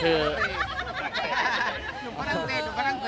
ก็ตั้งใจ